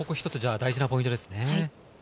大事なポイントですね。